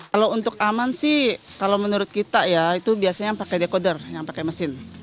kalau untuk aman sih kalau menurut kita ya itu biasanya yang pakai decoder yang pakai mesin